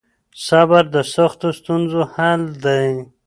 صبر د سختو ستونزو حل دی.